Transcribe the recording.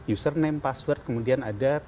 username password kemampuan dan lain lainnya